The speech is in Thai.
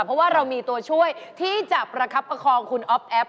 เพราะว่าเรามีตัวช่วยที่จะประคับประคองคุณอ๊อฟแอฟ